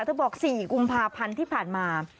บอก๔กุมภาพันธ์ที่ผ่านมา